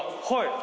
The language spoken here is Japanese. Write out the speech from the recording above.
はい。